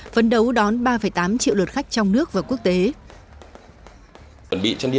phấn đấu đón ba tám triệu lượt khách trong nước và quốc tế